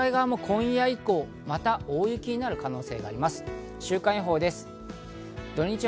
日本海側も今夜以降、また大雪になる可能性があります。